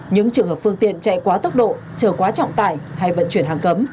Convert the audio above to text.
những trường hợp phương tiện chạy quá tốc độ trở quá trọng tải hay vận chuyển hàng cấm